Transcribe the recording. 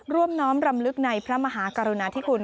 น้อมรำลึกในพระมหากรุณาธิคุณ